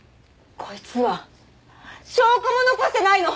こいつは証拠も残してないの！